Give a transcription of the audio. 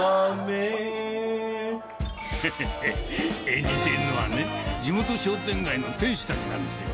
演じているのはね、地元商店街の店主たちなんですよ。